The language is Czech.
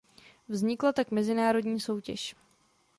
Vznikla tak mezinárodní soutěž.